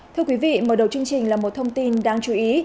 thưa quý vị mở đầu chương trình là một thông tin đáng chú ý